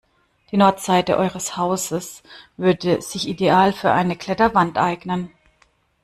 Die Nordseite eures Hauses würde sich ideal für eine Kletterwand eignen.